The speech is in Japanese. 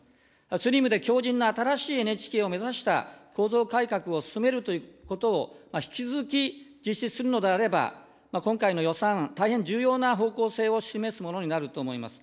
スリムで強じんな新しいＮＨＫを目指した構造改革を進めるということを、引き続き実施するのであれば、今回の予算案、大変重要な方向性を示すものになると思います。